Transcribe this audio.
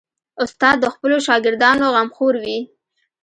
استاد د خپلو شاګردانو غمخور وي.